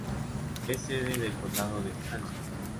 Es sede del condado de Anson.